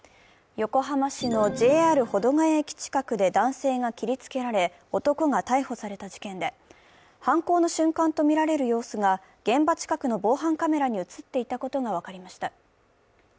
横浜市のＪＲ保土ケ谷駅近くで男性が切りつけられ、男が逮捕された事件で、犯行の瞬間とみられる様子が現場近くの防犯カメラに映っていたことが分かりました。